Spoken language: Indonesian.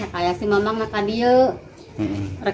kalau saya bola saya kasih emak emak